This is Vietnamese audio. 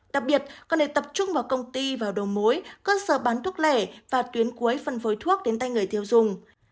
đặc biệt cần để tập trung vào công ty vào đồ mối cơ sở bán thuốc lẻ và tuyến cuối phân phối thuốc đến tay người tiêu dùng